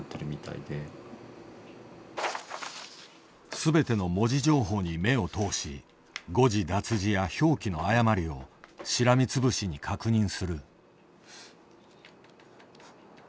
全ての文字情報に目を通し誤字脱字や表記の誤りをしらみつぶしに確認する。